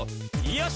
「よし！」